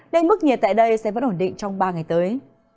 nên mức nhiệt tại đây sẽ vẫn ổn định trong ba ngày tới